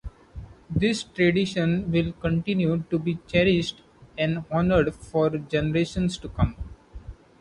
This tradition will continue to be cherished and honored for generations to come.